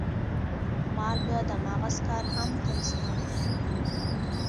مالګه د مغز کار هم تنظیموي.